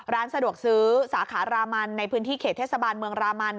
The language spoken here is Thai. ร้านสะดวกซื้อสาขารามันในพื้นที่เขตเทศบาลเมืองรามัน